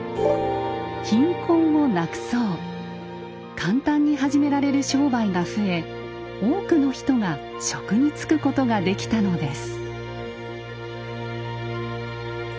簡単に始められる商売が増え多くの人が職に就くことができたのです。